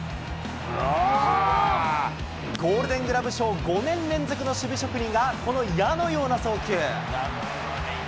ゴールデングラブ賞５年連続の守備職人が、この矢のような送球。